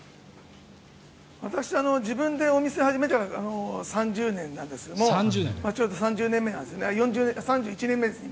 私、自分でお店を始めて３０年なんですけどもちょうど３１年目ですね、今。